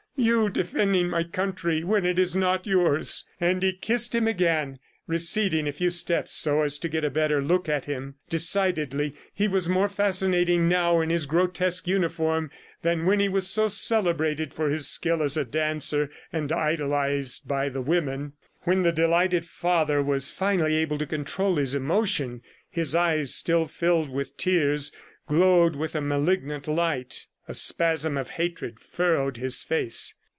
"You defending my country, when it is not yours!" ... And he kissed him again, receding a few steps so as to get a better look at him. Decidedly he was more fascinating now in his grotesque uniform, than when he was so celebrated for his skill as a dancer and idolized by the women. When the delighted father was finally able to control his emotion, his eyes, still filled with tears, glowed with a malignant light. A spasm of hatred furrowed his face.